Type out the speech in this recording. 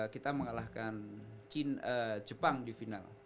kita mengalahkan jepang di final